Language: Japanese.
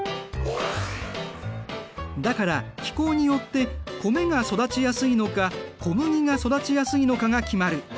だから気候によって米が育ちやすいのか小麦が育ちやすいのかが決まる。